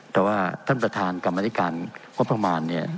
แต่ว่าท่านประธานกรรมหาติการงบประมาณ